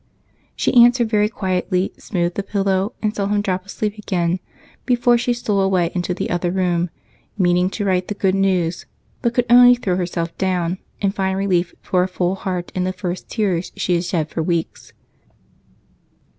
She answered very quietly, smoothed the pillow, and saw him drop asleep again before she stole away into the other room, meaning to write the good news, but could only throw herself down and find relief for a full heart in the first tears she had shed for weeks.